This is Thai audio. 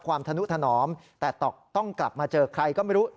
ธนุถนอมแต่ต้องกลับมาเจอใครก็ไม่รู้